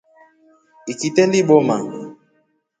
Ikite libooma.